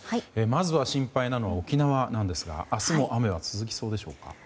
まずは心配なのは沖縄なんですが明日も雨は続きそうでしょうか？